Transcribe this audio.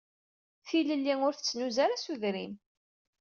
Tilelli ur tettnuz ara s udrim.